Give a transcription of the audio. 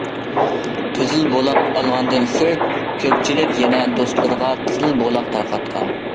قىزىل بولاق ئالغاندىن سىرت كۆپچىلىك يەنە دوستلىرىغا قىزىل بولاق تارقاتقان.